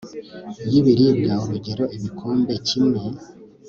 y'ibiribwa, urugero ibikombe kimwe